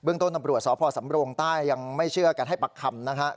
เบื้องต้นอำรวจสศสำรวงต้ายยังไม่เชื่อกันให้ปักคำนะครับ